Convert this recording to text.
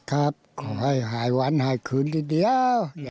ครับกล่าวให้หายวันหายคืนเดียว